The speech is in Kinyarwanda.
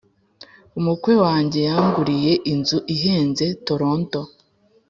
Umukwe wanjye yanguriye inzu ihenze tolonto